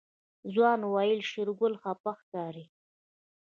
ځوان وويل شېرګل خپه ښکاري.